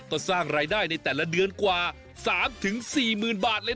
ก็สร้างรายได้ในแต่ละเดือนกว่า๓๔๐๐๐บาทเลย